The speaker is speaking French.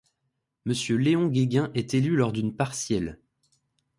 Mr Léon Guéguen est élu lors d'une partielle.